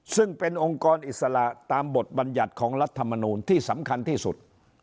ซึ่งเป็นองค์กรอิสระตามบทบัญญัติของรัฐมนูลที่สำคัญที่สุด